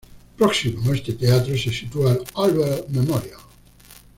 Próximo a este teatro se sitúa el Albert Memorial.